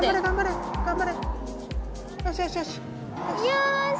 よし！